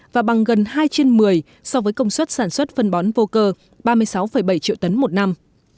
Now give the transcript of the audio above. và bằng gần hai trên một mươi so với công suất sản xuất phân bón vô cơ ba mươi sáu bảy triệu tấn một năm